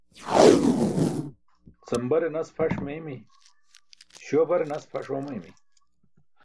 Sambare nas pʰaṣ meeymi̇, śuwa bare nas pʰaṣ oomaymi.